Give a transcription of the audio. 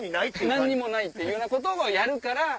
何にもないっていうようなことをやるから。